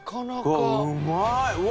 うわうまい！